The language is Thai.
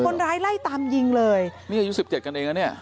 นี่อายุ๑๗กันเองอ่ะเนี่ย